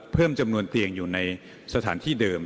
เพิ่มจำนวนเตียงอยู่ในสถานที่เดิม